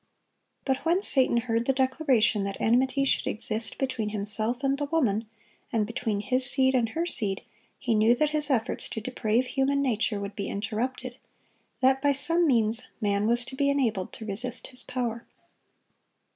But when Satan heard the declaration that enmity should exist between himself and the woman, and between his seed and her seed, he knew that his efforts to deprave human nature would be interrupted; that by some means man was to be enabled to resist his power.